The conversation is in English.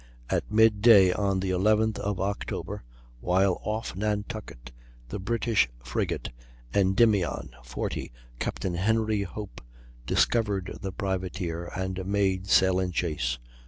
At mid day, on the 11th of October, while off Nantucket, the British frigate Endymion, 40, Captain Henry Hope, discovered the privateer and made sail in chase.